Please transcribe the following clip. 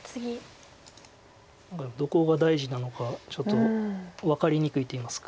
どこが大事なのかちょっと分かりにくいといいますか。